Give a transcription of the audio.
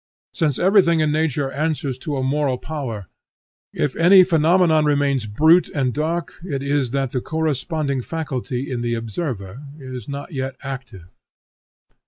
Since everything in nature answers to a moral power, if any phenomenon remains brute and dark it is that the corresponding faculty in the observer is not yet active.